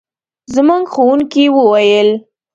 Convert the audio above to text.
زموږ ښوونکي وویل.